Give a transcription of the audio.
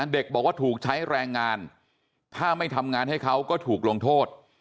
เด็กบอกว่าถูกใช้แรงงานถ้าไม่ทำงานให้เขาก็ถูกลงโทษ